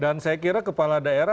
dan saya kira kepala daerah berpengaruh